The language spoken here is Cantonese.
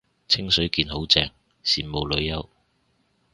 清水健好正，羨慕女優